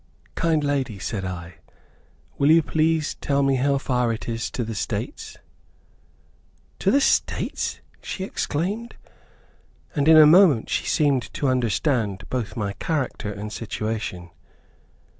"Kind lady," said I, "will you please tell me how far it is to the States?" "To the States!" she exclaimed, and in a moment she seemed to understand both my character and situation.